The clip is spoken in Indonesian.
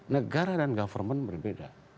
negara dan government berbeda